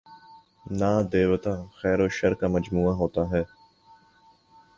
نہ دیوتا، خیر وشرکا مجموعہ ہوتا ہے۔